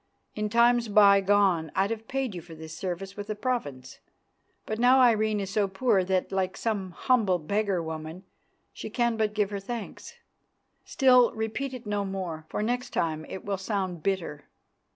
In times bygone I'd have paid you for this service with a province, but now Irene is so poor that, like some humble beggar woman, she can but give her thanks. Still, repeat it no more, for next time it will sound bitter.